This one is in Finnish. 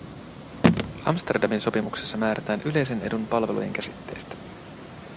Amsterdamin sopimuksessa määrätään yleisen edun palvelujen käsitteestä.